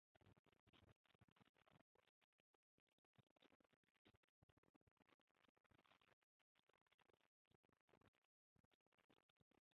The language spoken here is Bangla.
বিবেচনা করুন সিস্টেমটি এর কোনো এক বিন্দুতে তার ভারসাম্য অবস্থায় পৌঁছেছে।